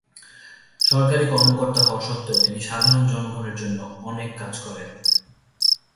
সরকারী কর্মকর্তা হওয়া সত্ত্বেও তিনি সাধারণ জনগণের জন্য অনেক কাজ করেন।